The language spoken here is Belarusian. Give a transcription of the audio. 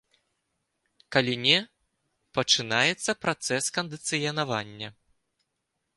Калі не, пачынаецца працэс кандыцыянавання.